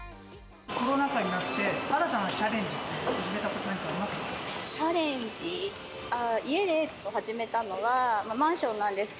コロナ禍になって新たなチャレンジって、始めたことありますか？